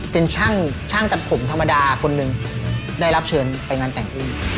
เป็นช่างตัดผมธรรมดาคนหนึ่งได้รับเชิญไปงานแต่งอุ้ม